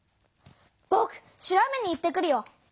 ぼく調べに行ってくるよ！